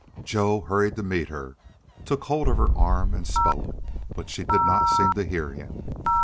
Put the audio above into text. Joe hurried to meet her, took hold of her arm and spoke, but she did not seem to hear him.